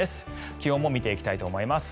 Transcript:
気温も見ていきたいと思います。